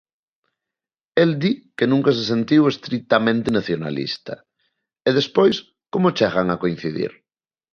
El di que nunca se sentiu estritamente nacionalista, e despois como chegan a coincidir?